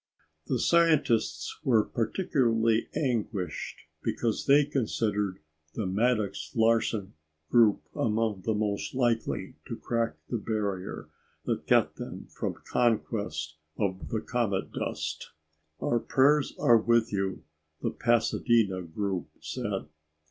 The scientists were particularly anguished because they considered the Maddox Larsen group among the most likely to crack the barrier that kept them from conquest of the comet dust. "Our prayers are with you," the Pasadena group said.